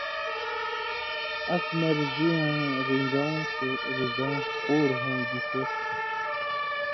اس مرضی یاں رِن٘گؤں تے رِزؤں (خُور ہوں) گِشے تُھو؟